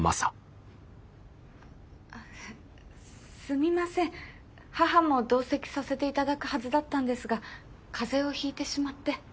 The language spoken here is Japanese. すみません母も同席させて頂くはずだったんですが風邪をひいてしまって。